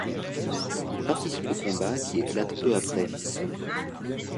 Il participe aux combats qui éclatent peu après.